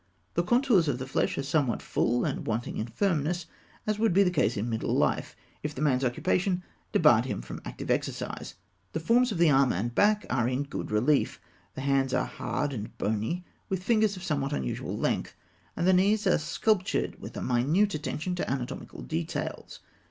The contours of the flesh are somewhat full and wanting in firmness, as would be the case in middle life, if the man's occupation debarred him from active exercise. The forms of the arm and back are in good relief; the hands are hard and bony, with fingers of somewhat unusual length; and the knees are sculptured with a minute attention to anatomical details.